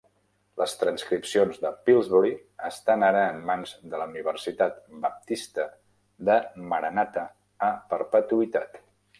Les transcripcions de Pillsbury estan ara en mans de la Universitat Baptista de Maranatha a perpetuïtat.